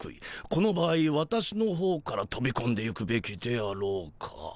この場合私のほうからとびこんでいくべきであろうか？